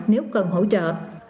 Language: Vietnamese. nếu cần hỗ trợ